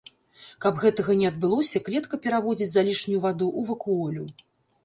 Каб гэтага не адбылося, клетка пераводзіць залішнюю ваду ў вакуолю.